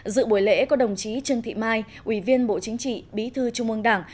dự buổi lễ có đồng chí trương thị mai ubnd bí thư trung ương đảng